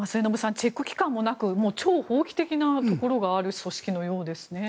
チェック機関もなく超法規的なところがある組織なようですね。